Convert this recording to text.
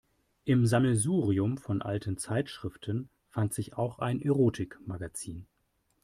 Im Sammelsurium von alten Zeitschriften fand sich auch ein Erotikmagazin.